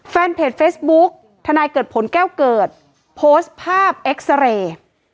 แฟนเพจเฟซบุ๊กทนายเกิดผลแก้วเกิดโพสต์ภาพเอ็กซาเรย์